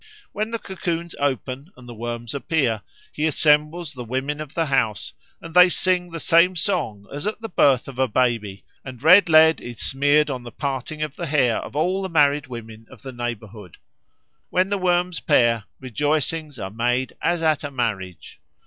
When the cocoons open and the worms appear, he assembles the women of the house and they sing the same song as at the birth of a baby, and red lead is smeared on the parting of the hair of all the married women of the neighbourhood. When the worms pair, rejoicings are made as at a marriage.